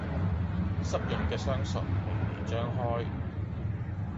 濕潤嘅雙唇，微微張開